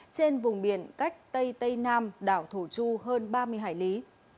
trên vùng biển cách tây tây nam đảo thổ chu hơn ba mươi hải lý